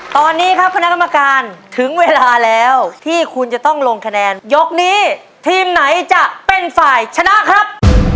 ตอนนี้ครับคณะกรรมการถึงเวลาแล้วที่คุณจะต้องลงคะแนนยกนี้ทีมไหนจะเป็นฝ่ายชนะครับ